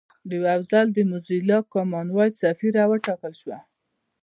ډیوه افضل د موزیلا کامن وایس سفیره وټاکل شوه